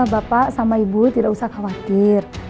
bapak sama ibu tidak usah khawatir